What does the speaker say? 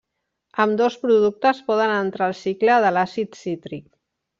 Ambdós productes poden entrar al cicle de l'àcid cítric.